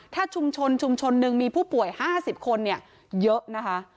ถ้าชุมชนชุมชนหนึ่งมีผู้ป่วย๕๐คนเยอะนะคะ